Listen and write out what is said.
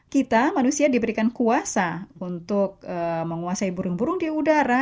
kita manusia diberikan kuasa untuk menguasai burung burung di udara